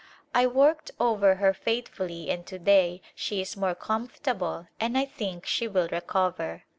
I worked over her faithfully and to day she is more comfortable and I think she will recover.